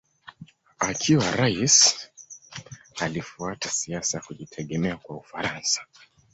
Akiwa rais alifuata siasa ya kujitegemea kwa Ufaransa.